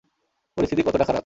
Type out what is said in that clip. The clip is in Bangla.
পরিস্থিতি কতোটা খারাপ?